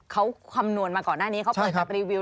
เขาคำนวณมาก่อนหน้านี้เขาเปิดกับรีวิว